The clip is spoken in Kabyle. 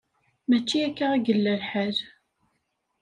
Mačči akka i yella lḥal.